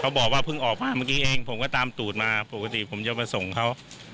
เค้าบอกว่าพึ่งออกไปเมื่อกี้เองผมก็ตามจนตรามาเผาส่งเค้า